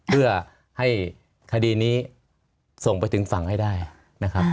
เพื่อให้คดีนี้ส่งไปถึงฝั่งให้ได้นะครับ